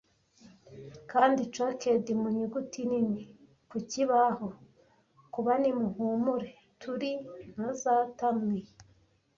Kandi chalked mu nyuguti nini ku kibaho, kuba nimuhumure, turi ntazata mwe